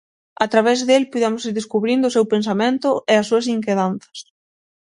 A través del puidemos ir descubrindo o seu pensamento e as súas inquedanzas.